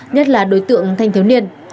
nhất là đối tượng thanh thiếu niên